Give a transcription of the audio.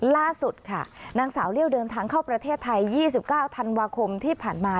ล่าสุดค่ะนางสาวเลี่ยวเดินทางเข้าประเทศไทย๒๙ธันวาคมที่ผ่านมา